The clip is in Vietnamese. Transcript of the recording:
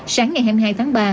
sáng ngày hai mươi hai tháng ba